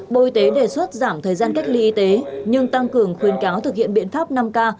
bộ y tế đề xuất giảm thời gian cách ly y tế nhưng tăng cường khuyên cáo thực hiện biện pháp năm k